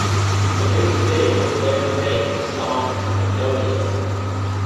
A music video was later made for the song "Magnolia".